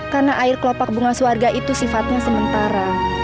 karena air kelopak bunga suarga itu sifatnya sementara